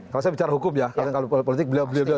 kalau saya bicara hukum ya kalau politik beliau beliau